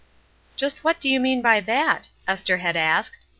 "Just what do you mean by that?" Esther had asked.